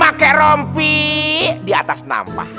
pake rompi di atas nampah